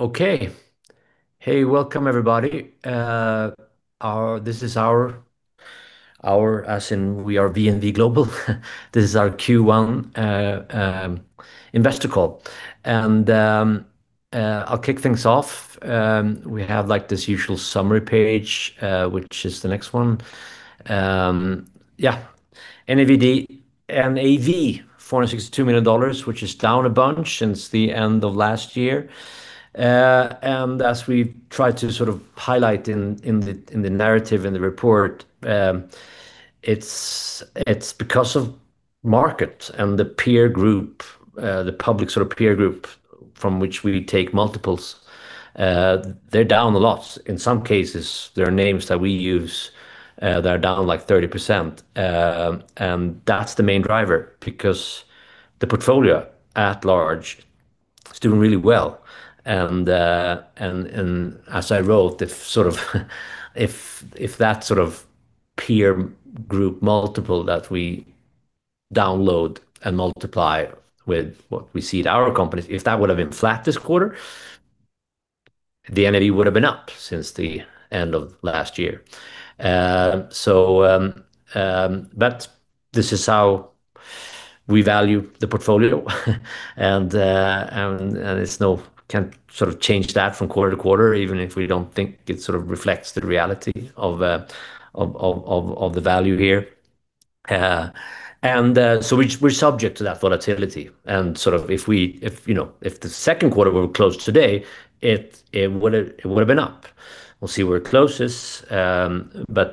Okay. Hey, welcome everybody. This is our, as in we are VNV Global, this is our Q1 investor call. I'll kick things off. We have this usual summary page, which is the next one. Yeah. NAV $462 million, which is down a bunch since the end of last year. As we try to sort of highlight in the narrative in the report, it's because of market and the peer group, the public sort of peer group from which we take multiples, they're down a lot. In some cases, there are names that we use that are down like 30%, and that's the main driver because the portfolio at large is doing really well. As I wrote, if that sort of peer group multiple that we download and multiply with what we see at our companies, if that would've been flat this quarter, the NAV would've been up since the end of last year. This is how we value the portfolio, and we can't change that from quarter to quarter, even if we don't think it reflects the reality of the value here. We're subject to that volatility and if the second quarter were closed today, it would've been up. We'll see where it closes. We're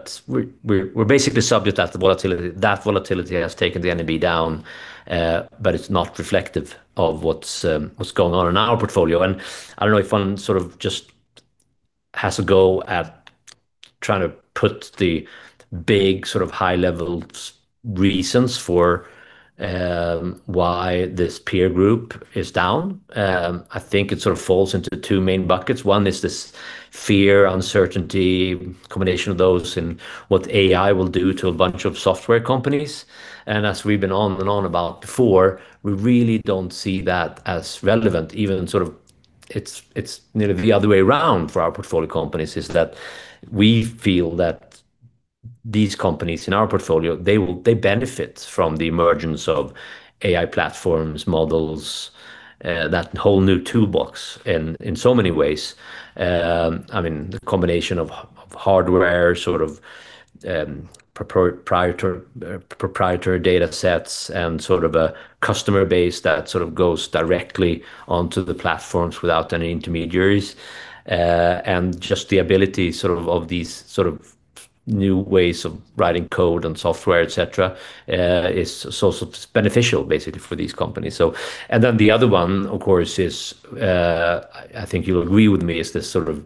basically subject to that volatility. That volatility has taken the NAV down. It's not reflective of what's going on in our portfolio. I don't know if one sort of just has a go at trying to put the big sort of high-level reasons for why this peer group is down. I think it sort of falls into two main buckets. One is this fear, uncertainty, combination of those and what AI will do to a bunch of software companies. As we've been on and on about before, we really don't see that as relevant. It's nearly the other way around for our portfolio companies, is that we feel that these companies in our portfolio, they benefit from the emergence of AI platforms, models, that whole new toolbox in so many ways. The combination of hardware sort of proprietary data sets and sort of a customer base that sort of goes directly onto the platforms without any intermediaries. Just the ability of these new ways of writing code and software, et cetera, is so beneficial basically for these companies. The other one, of course, I think you'll agree with me, is this sort of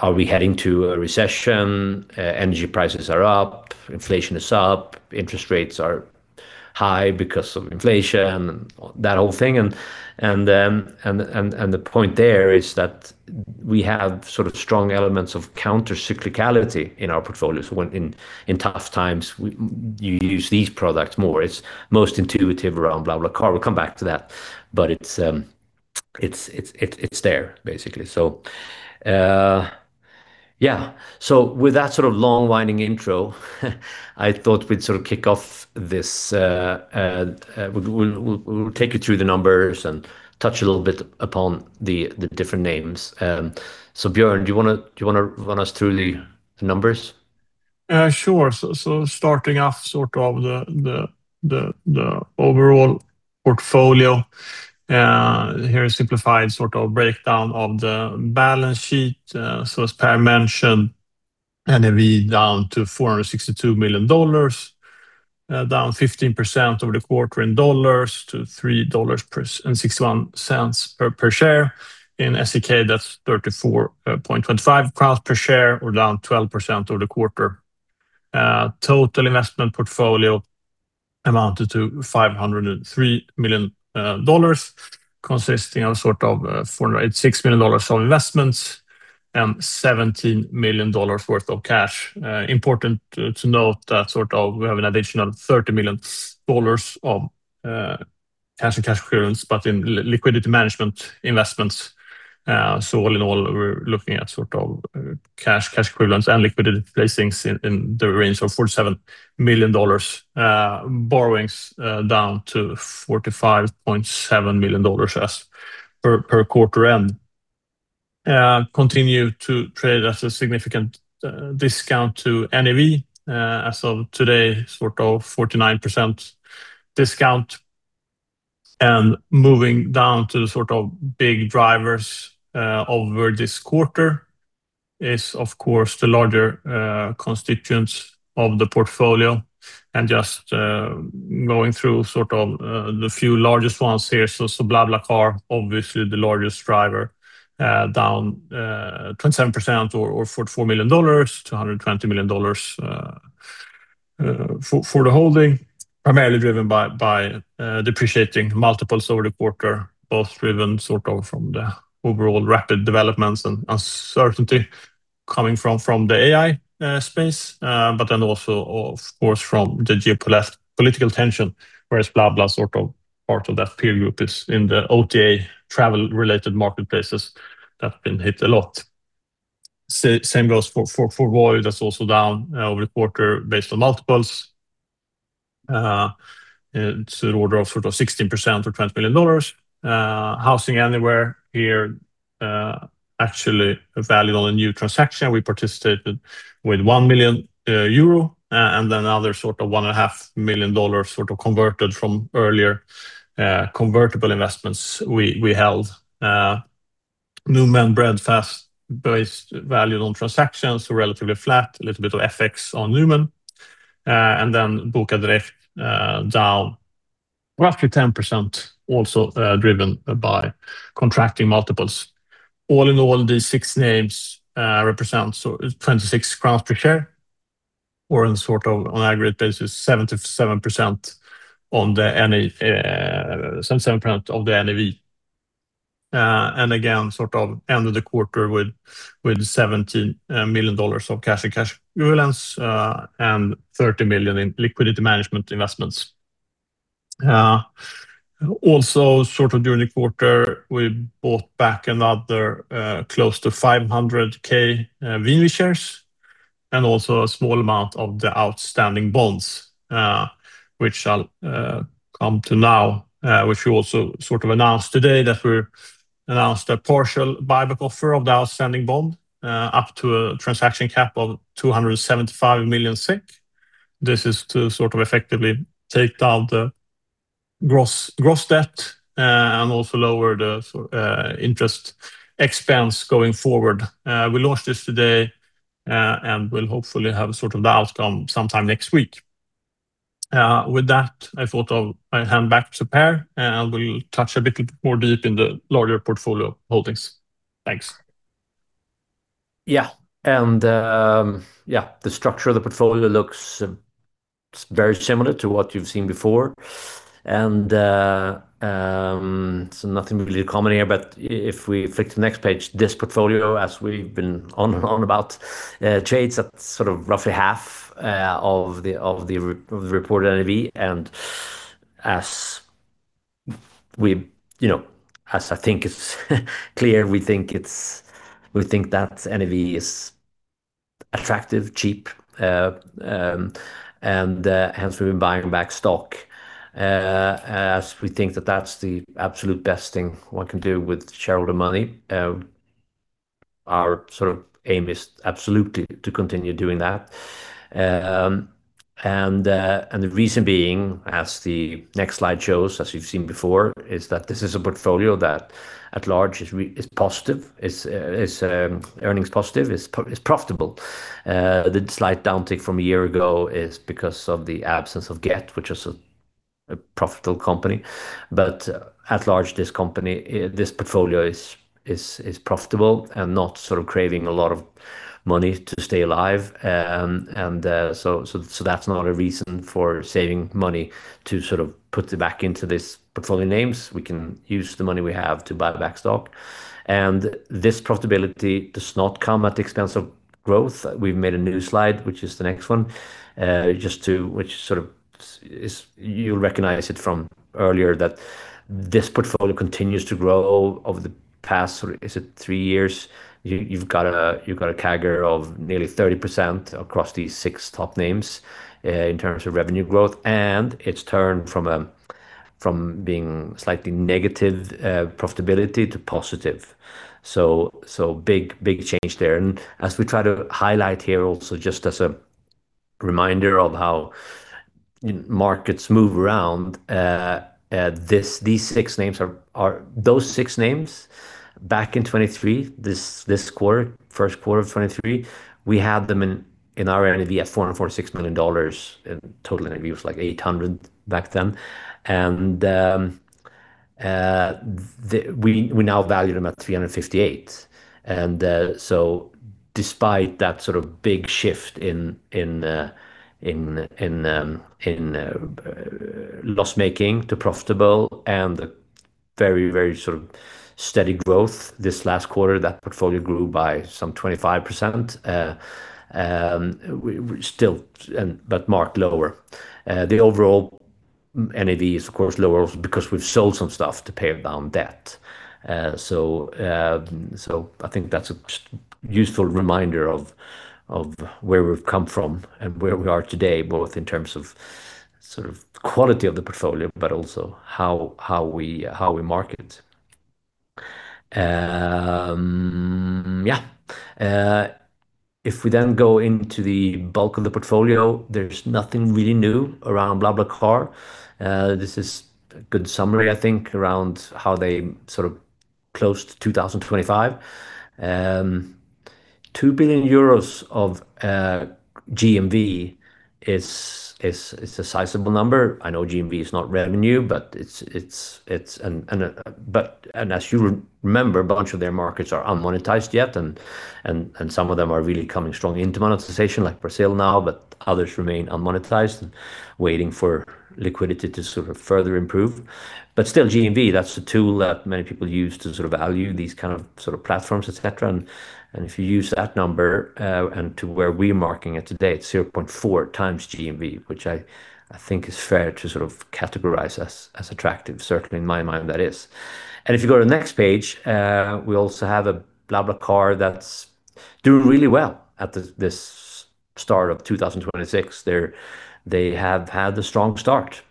are we heading to a recession? Energy prices are up, inflation is up, interest rates are high because of inflation and that whole thing. The point there is that we have sort of strong elements of counter-cyclicality in our portfolios. When in tough times, you use these products more. It's most intuitive around BlaBlaCar. We'll come back to that. It's there basically. Yeah. With that sort of long winding intro, I thought we'd sort of kick off this, we'll take you through the numbers and touch a little bit upon the different names. Björn, do you want to run us through the numbers? Sure. Starting off the overall portfolio, here is simplified breakdown of the balance sheet. As Per mentioned, NAV down to $462 million, down 15% over the quarter in dollars to $3.61 per share. In SEK, that's 34.25 crowns per share or down 12% over the quarter. Total investment portfolio amounted to $503 million, consisting of sort of $486 million of investments and $17 million worth of cash. Important to note that we have an additional $30 million of cash and cash equivalents, but in liquidity management investments. All in all, we're looking at sort of cash equivalents, and liquidity placings in the range of $47 million. Borrowings down to $45.7 million as per quarter end. Continue to trade at a significant discount to NAV. As of today, sort of 49% discount. Moving down to the sort of big drivers over this quarter is, of course, the larger constituents of the portfolio. Just going through the few largest ones here. BlaBlaCar, obviously the largest driver, down 27% or $44 million to $120 million for the holding. Primarily driven by depreciating multiples over the quarter, both driven from the overall rapid developments and uncertainty coming from the AI space, but then also, of course, from the geopolitical tension, whereas BlaBlaCar sort of part of that peer group is in the OTA travel-related marketplaces that have been hit a lot. Same goes for Voi. That's also down over the quarter based on multiples. It's an order of 16% or $20 million. HousingAnywhere here actually valued on a new transaction. We participated with 1 million euro and another sort of $1.5 million converted from earlier convertible investments we held. Numan Breadfast-based valued on transactions, so relatively flat, a little bit of FX on Numan. Bokadirekt down roughly 10%, also driven by contracting multiples. All in all, these six names represent 26 crowns per share or on an aggregate basis, 77% of the NAV. Again, sort of ended the quarter with $17 million of cash equivalents and $30 million in liquidity management investments. Also, during the quarter, we bought back another close to 500,000 VNV shares and also a small amount of the outstanding bonds, which I'll come to now, which we also sort of announced today, a partial buyback offer of the outstanding bond up to a transaction cap of 275 million. This is to sort of effectively take down the gross debt, and also lower the interest expense going forward. We launched this today, and we'll hopefully have sort of the outcome sometime next week. With that, I thought I'll hand back to Per, and he will touch a little bit more deep in the larger portfolio holdings. Thanks. The structure of the portfolio looks very similar to what you've seen before. Nothing really to comment here, but if we flick to the next page, this portfolio, as we've been on about, trades at sort of roughly half of the reported NAV. As I think it's clear, we think that NAV is attractive, cheap, and hence we've been buying back stock, as we think that that's the absolute best thing one can do with shareholder money. Our sort of aim is absolutely to continue doing that. The reason being, as the next slide shows, as you've seen before, is that this is a portfolio that at large is positive, is earnings positive, is profitable. The slight downtick from a year ago is because of the absence of Gett, which is a profitable company. At large, this portfolio is profitable and not sort of craving a lot of money to stay alive. That's not a reason for saving money to sort of put it back into this portfolio names. We can use the money we have to buy back stock. This profitability does not come at the expense of growth. We've made a new slide, which is the next one, you'll recognize it from earlier that this portfolio continues to grow over the past, sort of is it three years? You've got a CAGR of nearly 30% across these six top names, in terms of revenue growth, and it's turned from being slightly negative profitability to positive. Big change there. As we try to highlight here also just as a reminder of how markets move around, those six names back in 2023, this quarter, first quarter of 2023, we had them in our NAV at $446 million. Total NAV was like $800 back then. We now value them at $358. Despite that sort of big shift in loss-making to profitable and the very sort of steady growth this last quarter, that portfolio grew by some 25% still, but marked lower. The overall NAV is of course lower because we've sold some stuff to pay down debt. I think that's a useful reminder of where we've come from and where we are today, both in terms of sort of quality of the portfolio, but also how we market. We then go into the bulk of the portfolio, there's nothing really new around BlaBlaCar. This is a good summary, I think, around how they sort of closed 2025 with EUR 2 billion of GMV, which is a sizable number. I know GMV is not revenue, but as you remember, a bunch of their markets are unmonetized yet, and some of them are really coming strongly into monetization, like Brazil now. Others remain unmonetized, waiting for liquidity to sort of further improve. Still, GMV, that's the tool that many people use to sort of value these kind of sort of platforms, et cetera. If you use that number, and to where we're marking it today, it's 0.4x GMV, which I think is fair to sort of categorize as attractive, certainly in my mind that is. If you go to the next page, we also have a BlaBlaCar that's doing really well at this start of 2026. They have had a strong start.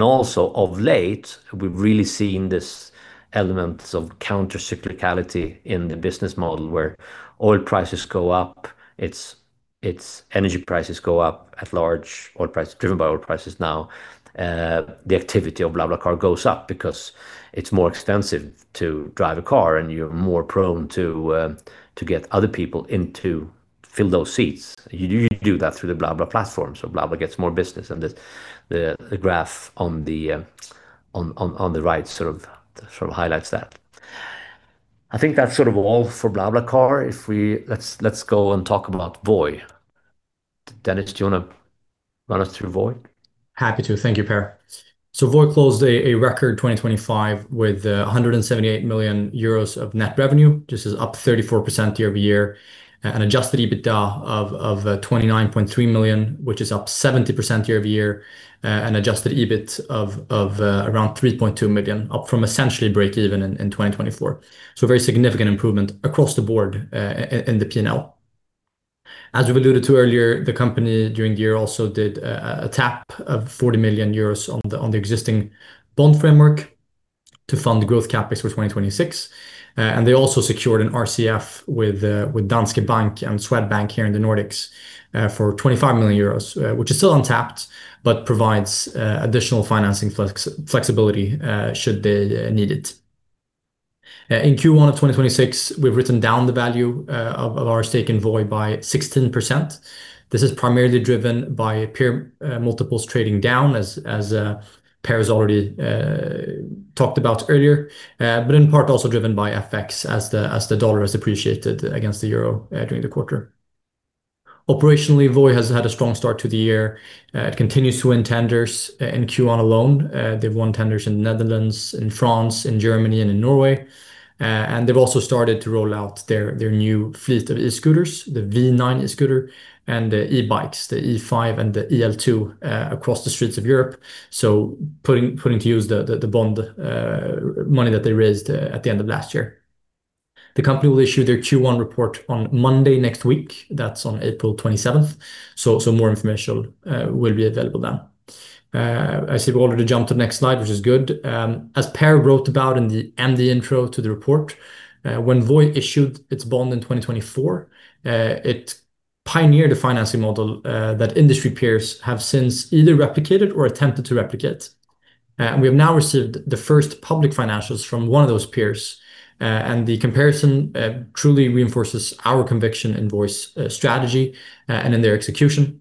Also of late, we've really seen this element of counter-cyclicality in the business model, where oil prices go up, energy prices go up at large, driven by oil prices now, the activity of BlaBlaCar goes up because it's more expensive to drive a car, and you're more prone to get other people in to fill those seats. You do that through the BlaBlaCar platform, so BlaBlaCar gets more business, and the graph on the right sort of highlights that. I think that's sort of all for BlaBlaCar. Let's go and talk about Voi. Dennis, do you want to run us through Voi? Happy to. Thank you, Per. Voi closed a record 2025 with 178 million euros of net revenue. This is up 34% year-over-year. An adjusted EBITDA of 29.3 million, which is up 70% year-over-year. An adjusted EBIT of around 3.2 million, up from essentially breakeven in 2024. Very significant improvement across the board in the P&L. As we alluded to earlier, the company during the year also did a tap of 40 million euros on the existing bond framework to fund growth CapEx for 2026. They also secured an RCF with Danske Bank and Swedbank here in the Nordics for 25 million euros, which is still untapped but provides additional financing flexibility should they need it. In Q1 of 2026, we've written down the value of our stake in Voi by 16%. This is primarily driven by peer multiples trading down, as Per has already talked about earlier, but in part also driven by FX as the dollar has appreciated against the euro during the quarter. Operationally, Voi has had a strong start to the year. It continues to win tenders. In Q1 alone, they've won tenders in Netherlands, in France, in Germany, and in Norway. They've also started to roll out their new fleet of e-scooters, the V9 e-scooter and the e-bikes, the E5 and the EL2, across the streets of Europe, putting to use the bond money that they raised at the end of last year. The company will issue their Q1 report on Monday next week. That's on April 27th. More information will be available then. I see we've already jumped to the next slide, which is good. As Per wrote about in the intro to the report, when Voi issued its bond in 2024, it pioneered a financing model that industry peers have since either replicated or attempted to replicate. We have now received the first public financials from one of those peers, and the comparison truly reinforces our conviction in Voi's strategy and in their execution.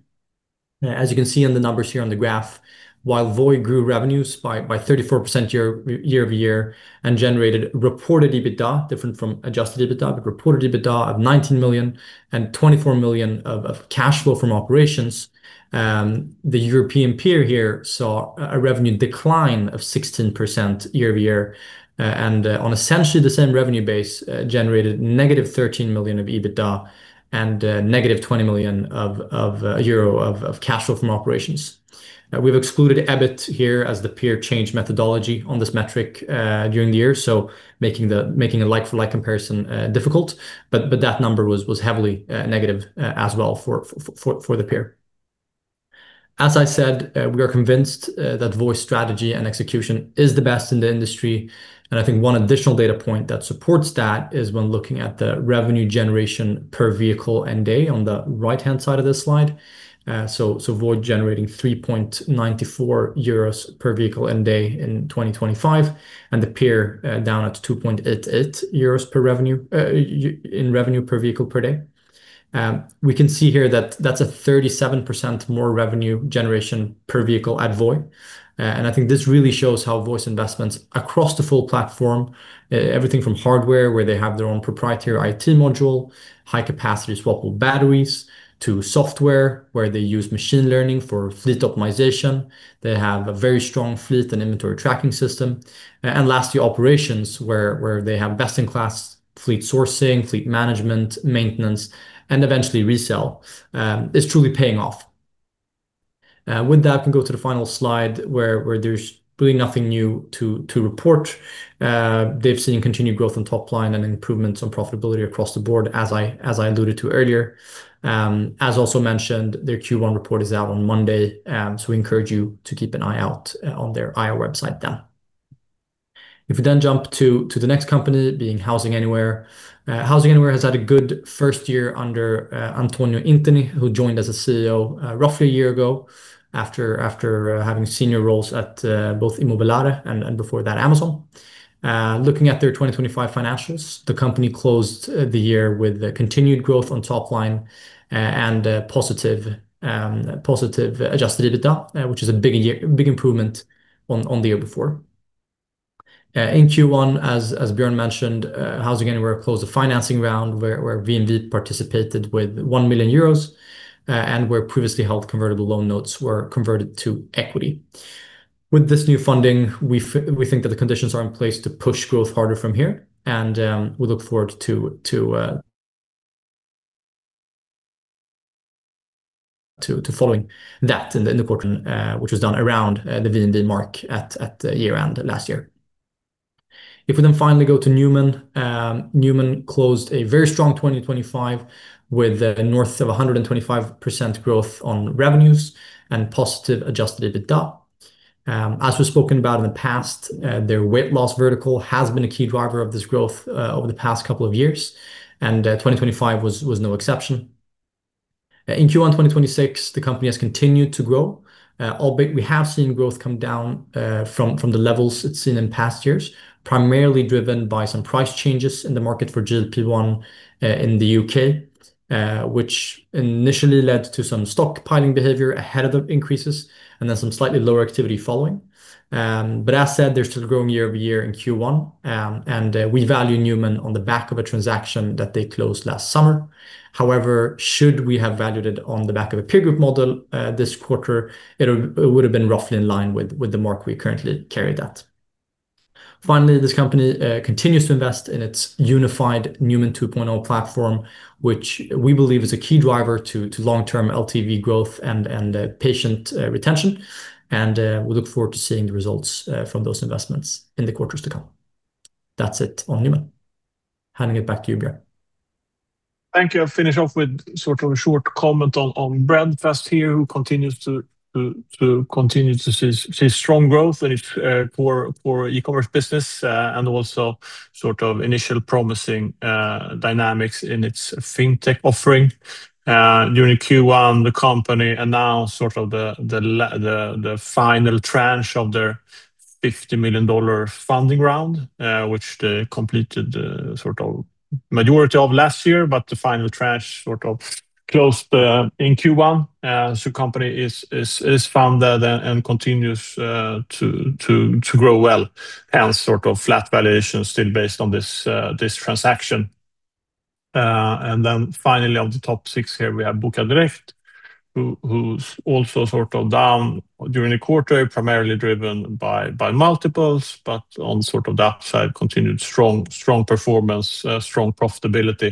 As you can see in the numbers here on the graph, while Voi grew revenues by 34% year-over-year and generated reported EBITDA, different from adjusted EBITDA, but reported EBITDA of 19 million and 24 million of cash flow from operations, the European peer here saw a revenue decline of 16% year-over-year. On essentially the same revenue base, generated -13 million of EBITDA and -20 million euro of cash flow from operations. We've excluded EBIT here as the peer changed methodology on this metric during the year, so making a like-for-like comparison difficult. That number was heavily negative as well for the peer. As I said, we are convinced that Voi's strategy and execution is the best in the industry, and I think one additional data point that supports that is when looking at the revenue generation per vehicle and day on the right-hand side of this slide. Voi generating 3.94 euros per vehicle and day in 2025, and the peer down at 2.88 euros in revenue per vehicle per day. We can see here that that's a 37% more revenue generation per vehicle at Voi. I think this really shows how Voi's investments across the full platform, everything from hardware, where they have their own proprietary IT module, high-capacity swappable batteries, to software, where they use machine learning for fleet optimization. They have a very strong fleet and inventory tracking system. And lastly, operations, where they have best-in-class fleet sourcing, fleet management, maintenance, and eventually resell, is truly paying off. With that, we can go to the final slide, where there's really nothing new to report. They've seen continued growth on top line and improvements on profitability across the board, as I alluded to earlier. As also mentioned, their Q1 report is out on Monday, so we encourage you to keep an eye out on their IR website then. If we then jump to the next company being HousingAnywhere. HousingAnywhere has had a good first year under Antonio Intini, who joined as CEO roughly a year ago after having senior roles at both Immobiliare and before that, Amazon. Looking at their 2025 financials, the company closed the year with continued growth on top line and a positive adjusted EBITDA, which is a big improvement on the year before. In Q1, as Björn mentioned, HousingAnywhere closed a financing round where VNV participated with 1 million euros, and where previously held convertible loan notes were converted to equity. With this new funding, we think that the conditions are in place to push growth harder from here, and we look forward to following that in the quarter, which was done around the NAV mark at year-end last year. If we finally go to Numan. Numan closed a very strong 2025 with north of 125% growth on revenues and positive adjusted EBITDA. As we've spoken about in the past, their weight loss vertical has been a key driver of this growth over the past couple of years, and 2025 was no exception. In Q1 2026, the company has continued to grow, albeit we have seen growth come down from the levels it's seen in past years, primarily driven by some price changes in the market for GLP-1 in the U.K., which initially led to some stockpiling behavior ahead of the increases and then some slightly lower activity following. As said, they're still growing year-over-year in Q1. We value Numan on the back of a transaction that they closed last summer. However, should we have valued it on the back of a peer group model this quarter, it would've been roughly in line with the mark we currently carry. That. Finally, this company continues to invest in its unified Numan 2.0 platform, which we believe is a key driver to long-term LTV growth and patient retention, and we look forward to seeing the results from those investments in the quarters to come. That's it on Numan. Handing it back to you, Björn. Thank you. I'll finish off with sort of a short comment on Breadfast here, who continues to see strong growth in its core e-commerce business, and also sort of initial promising dynamics in its fintech offering. During Q1, the company announced sort of the final tranche of their $50 million funding round, which they completed sort of majority of last year, but the final tranche sort of closed in Q1. The company is funded and continues to grow well and sort of flat valuation still based on this transaction. Finally, on the top six here, we have Bokadirekt, who's also sort of down during the quarter, primarily driven by multiples, but on sort of that side, continued strong performance, strong profitability.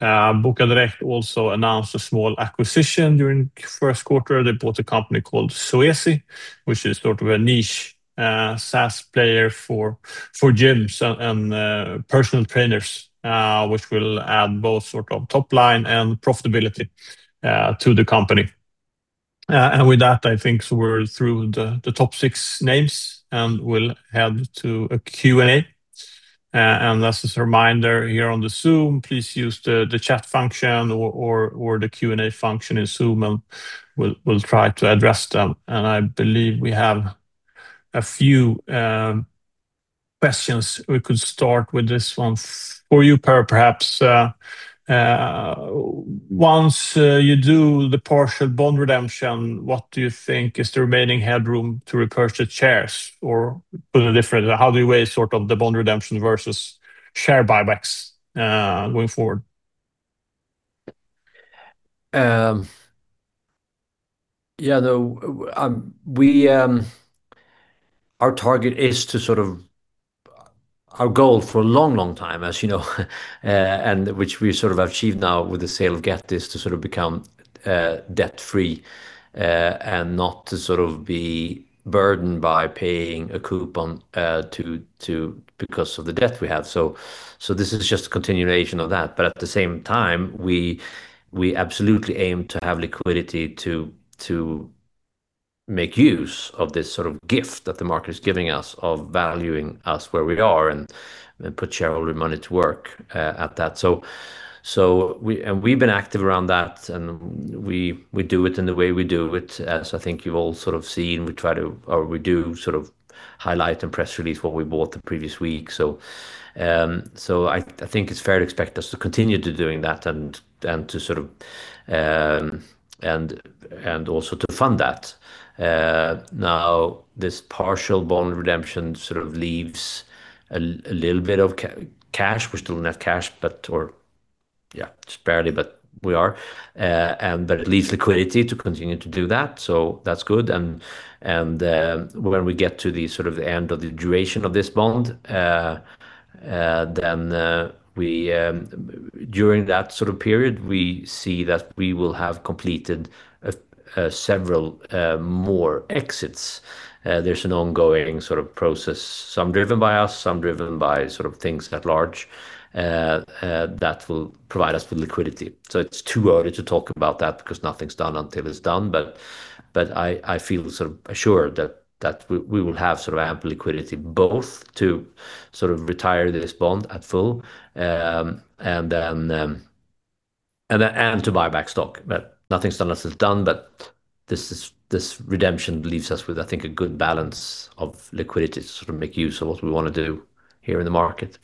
Bokadirekt also announced a small acquisition during first quarter. They bought a company called Zoezi, which is sort of a niche SaaS player for gyms and personal trainers, which will add both sort of top line and profitability to the company. With that, I think we're through the top six names, and we'll head to a Q&A. Just as a reminder here on the Zoom, please use the chat function or the Q&A function in Zoom, and we'll try to address them. I believe we have a few questions. We could start with this one for you, Per, perhaps. Once you do the partial bond redemption, what do you think is the remaining headroom to repurchase shares? Or put it differently, how do you weigh sort of the bond redemption versus share buybacks going forward? Yeah. Our goal for a long time, as you know, and which we've sort of achieved now with the sale of Gett, is to sort of become debt-free, and not to sort of be burdened by paying a coupon because of the debt we have. This is just a continuation of that. At the same time, we absolutely aim to have liquidity to make use of this sort of gift that the market is giving us of valuing us where we are and put shareholder money to work at that. We've been active around that, and we do it in the way we do it. As I think you've all sort of seen, we do sort of highlight in press release what we bought the previous week. I think it's fair to expect us to continue to doing that and also to fund that. Now, this partial bond redemption sort of leaves a little bit of cash. We still don't have cash, but or yeah, just barely, but we are. It leaves liquidity to continue to do that, so that's good. When we get to the sort of end of the duration of this bond, then during that sort of period, we see that we will have completed several more exits. There's an ongoing sort of process, some driven by us, some driven by sort of things at large, that will provide us with liquidity. It's too early to talk about that because nothing's done until it's done, but I feel sort of assured that we will have sort of ample liquidity both to sort of retire this bond in full and then to buy back stock. But nothing's done until it's done, but this redemption leaves us with, I think, a good balance of liquidity to make use of what we want to do here in the market.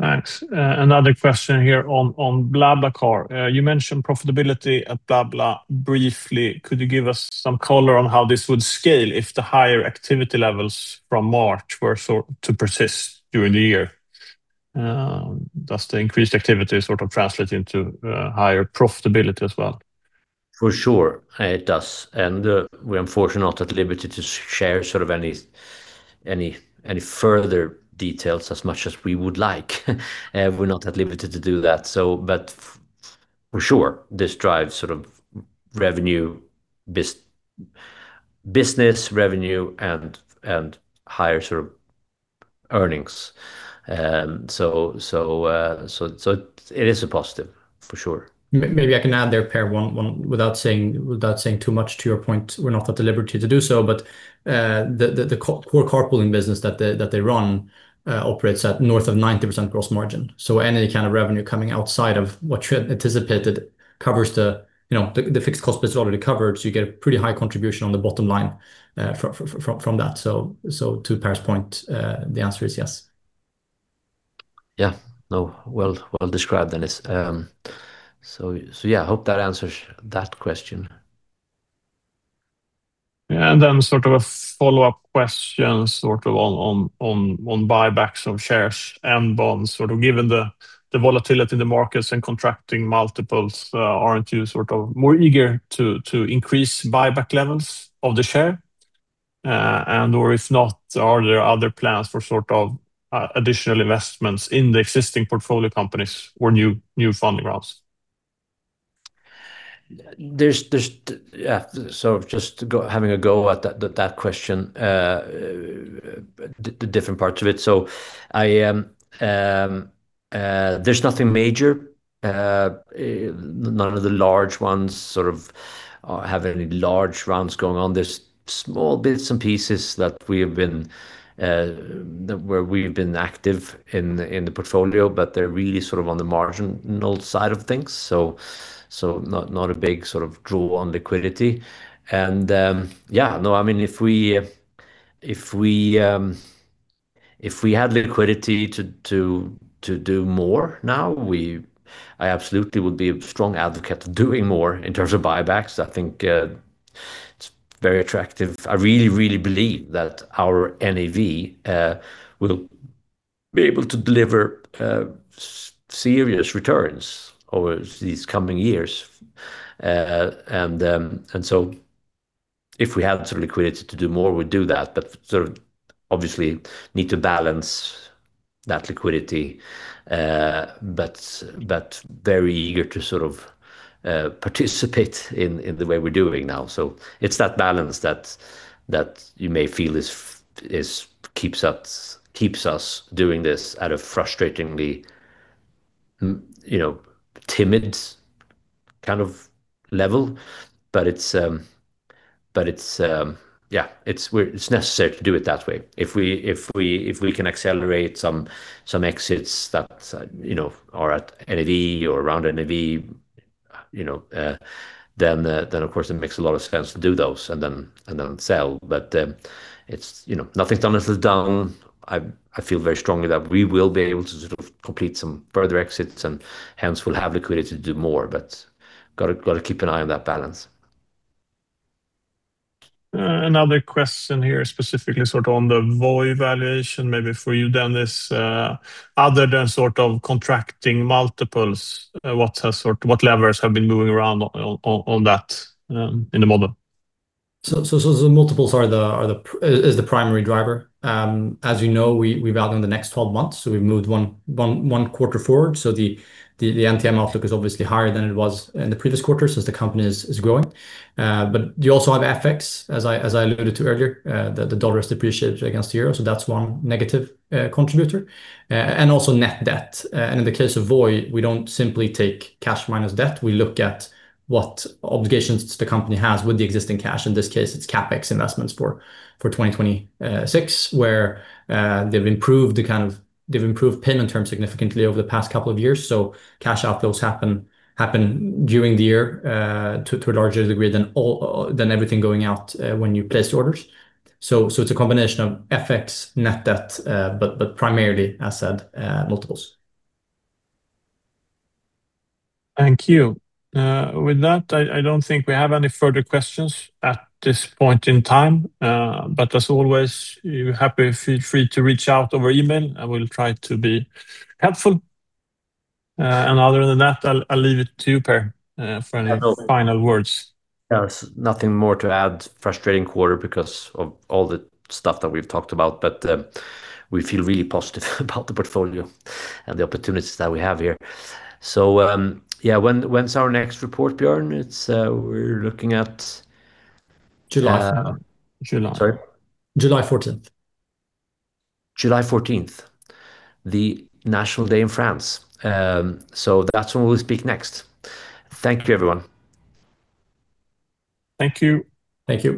Thanks. Another question here on BlaBlaCar. You mentioned profitability at BlaBlaCar briefly. Could you give us some color on how this would scale if the higher activity levels from March were to persist during the year? Does the increased activity translate into higher profitability as well? For sure it does. We unfortunately are not at liberty to share any further details as much as we would like. We're not at liberty to do that. For sure, this drives business revenue and higher earnings. It is a positive, for sure. Maybe I can add there, Per, without saying too much to your point, we're not at the liberty to do so, but the core carpooling business that they run operates at north of 90% gross margin. Any kind of revenue coming outside of what we anticipated covers the fixed cost that's already covered. You get a pretty high contribution on the bottom line from that. To Per's point, the answer is yes. Yeah. No, well described, Dennis. Yeah, I hope that answers that question. Yeah. Then a follow-up question on buybacks of shares and bonds. Given the volatility in the markets and contracting multiples, aren't you more eager to increase buyback levels of the share? And/or if not, are there other plans for additional investments in the existing portfolio companies or new funding routes? Just having a go at that question, the different parts of it. There's nothing major. None of the large ones have any large rounds going on. There's small bits and pieces where we've been active in the portfolio, but they're really on the marginal side of things. Not a big draw on liquidity. Yeah. If we had liquidity to do more now, I absolutely would be a strong advocate of doing more in terms of buybacks. I think it's very attractive. I really, really believe that our NAV will be able to deliver serious returns over these coming years. If we had the liquidity to do more, we'd do that, but we obviously need to balance that liquidity. Very eager to participate in the way we're doing now. It's that balance that you may feel keeps us doing this at a frustratingly timid kind of level. It's necessary to do it that way. If we can accelerate some exits that are at NAV or around NAV, then of course it makes a lot of sense to do those and then sell. Nothing's done until it's done. I feel very strongly that we will be able to complete some further exits and hence we'll have liquidity to do more, but got to keep an eye on that balance. Another question here, specifically on the Voi valuation, maybe for you, Dennis. Other than contracting multiples, what levers have been moving around on that in the model? The multiples is the primary driver. As you know, we value in the next 12 months, so we've moved one quarter forward. The NTM outlook is obviously higher than it was in the previous quarter since the company is growing. You also have FX, as I alluded to earlier, that the dollar has depreciated against the euro, so that's one negative contributor, also net debt. In the case of Voi, we don't simply take cash minus debt. We look at what obligations the company has with the existing cash. In this case, it's CapEx investments for 2026, where they've improved payment terms significantly over the past couple of years. Cash outflows happen during the year to a larger degree than everything going out when you place the orders. It's a combination of FX, net debt, but primarily, as said, multiples. Thank you. With that, I don't think we have any further questions at this point in time. As always, you're happy, feel free to reach out over email. I will try to be helpful. Other than that, I'll leave it to you, Per, for any final words. Yes. Nothing more to add. Frustrating quarter because of all the stuff that we've talked about. We feel really positive about the portfolio and the opportunities that we have here. Yeah. When's our next report, Björn? We're looking at- July. Sorry? July 14th. July 14th, the National Day in France. That's when we'll speak next. Thank you, everyone. Thank you. Thank you.